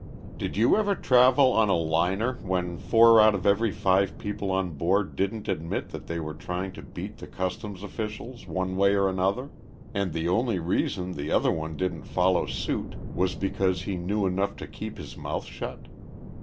"Did you ever travel on a liner when four out of every five people on board didn't admit that they were trying to beat the customs officials one way or another and the only reason the other one didn't follow suit was because he knew enough to keep his mouth shut.